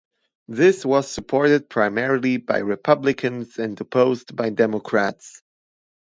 This was supported primarily by Republicans and opposed by Democrats.